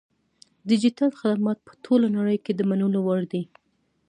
ډیجیټل خدمات په ټوله نړۍ کې د منلو وړ دي.